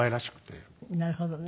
なるほどね。